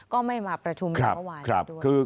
ก็ไม่มาประชุมยาววายด้วย